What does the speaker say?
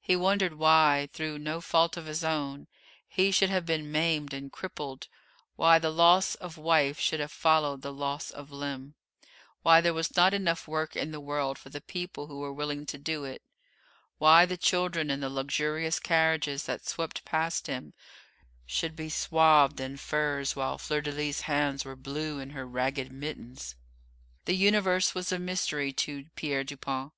He wondered why, through no fault of his own, he should have been maimed and crippled, why the loss of wife should have followed the loss of limb, why there was not enough work in the world for the people who were willing to do it, why the children in the luxurious carriages that swept past him should be swathed in furs while Fleur de lis's hands were blue in her ragged mittens. The universe was a mystery to Pierre Dupont.